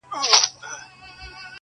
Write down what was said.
سپین وېښته راته پخوا منزل ښودلی.!